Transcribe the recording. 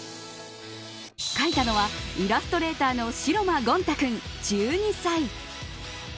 描いたのはイラストレーターの城間ゴンタ君、１２歳。